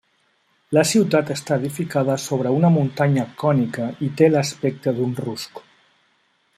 La ciutat està edificada sobre una muntanya cònica i té l'aspecte d'un rusc.